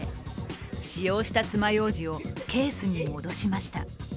使用した爪楊枝をケースに戻しました。